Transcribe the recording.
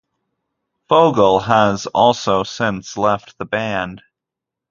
Fogel has also since left the band.